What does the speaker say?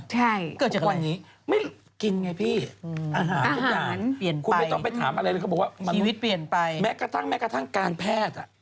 ใช่เกิดจากวันนี้อาหารทุกอย่างคุณไม่ต้องไปถามอะไรเลยเขาบอกว่าแม้กระทั่งการแพทย์